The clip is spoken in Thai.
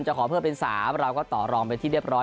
ขอเพิ่มเป็น๓เราก็ต่อรองเป็นที่เรียบร้อย